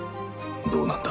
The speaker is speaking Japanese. どうなんだ？